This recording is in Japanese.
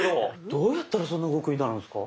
どうやったらそんな動くようになるんですか？